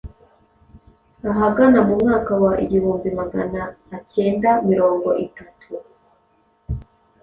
Ahagana mu mwaka wa igihumbi Magana acyenda mirongi itatu